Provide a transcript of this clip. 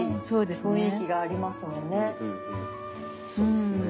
そうですね。